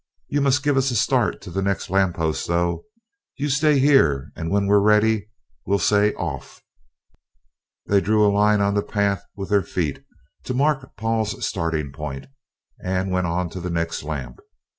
"You must give us a start to the next lamp post, though. You stay here, and when we're ready we'll say 'off'!" They drew a line on the path with their feet to mark Paul's starting point, and went on to the next lamp.